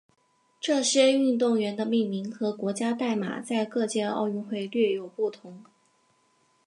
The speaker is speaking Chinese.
这些运动员的命名和国家代码在各届奥运会略有不同。